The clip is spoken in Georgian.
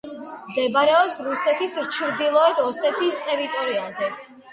მდებარეობს რუსეთის ჩრდილოეთ ოსეთის ტერიტორიაზე.